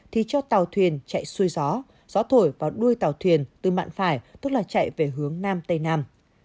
thì cho tàu thuyền chạy xuôi gió gió thổi vào đuôi tàu thuyền từ mạng phải tức là chạy về hướng nam tây nam